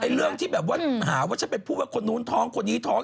เรื่องที่แบบว่าหาว่าฉันไปพูดว่าคนนู้นท้องคนนี้ท้อง